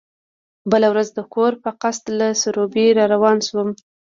بله ورځ د کور په قصد له سروبي را روان شوم.